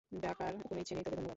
ডাকার কোনো ইচ্ছা নেই, তবে ধন্যবাদ।